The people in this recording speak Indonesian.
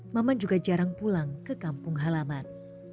maman juga jarang pulang ke kampung halaman